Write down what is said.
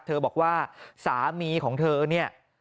เธอบอกว่าสามีของเธอนี่